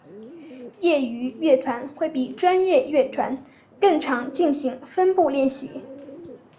业余乐团会比专业乐团更常进行分部练习。